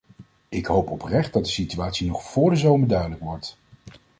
Ik hoop oprecht dat de situatie nog voor de zomer duidelijk wordt.